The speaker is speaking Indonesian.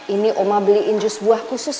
ini oma beliin jus buah khusus